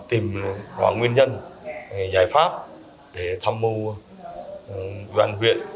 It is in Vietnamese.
tìm hoạt nguyên nhân giải pháp để tham mưu văn viện công tác hỗ trợ đối với người dân có ảnh hưởng